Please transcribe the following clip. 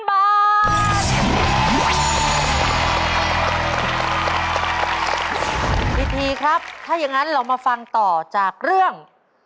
พิธีครับถ้าอย่างนั้นเรามาฟังต่อจากเรื่อง